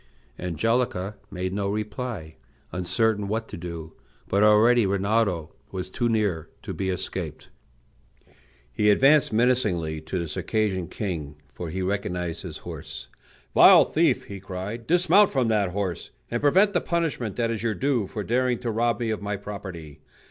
Angelica made no reply, uncertain what to do; but already Rinaldo was too near to be escaped. He advanced menacingly to the Circassian king, for he recognized his horse. "Vile thief," he cried, "dismount from that horse, and prevent the punishment that is your due for daring to rob me of my property.